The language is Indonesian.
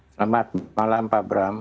selamat malam pak bram